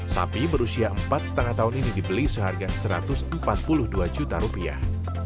sapi berusia empat lima tahun ini dibeli seharga satu ratus empat puluh dua juta rupiah